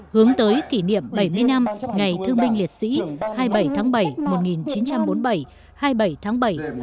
hướng tới kỷ niệm bảy mươi năm ngày thương binh liệt sĩ hai mươi bảy tháng bảy một nghìn chín trăm bốn mươi bảy hai mươi bảy tháng bảy hai nghìn một mươi bảy